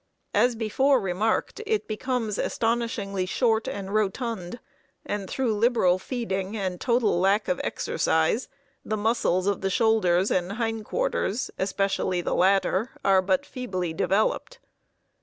As before remarked, it becomes astonishingly short and rotund, and through liberal feeding and total lack of exercise the muscles of the shoulders and hindquarters, especially the latter, are but feebly developed.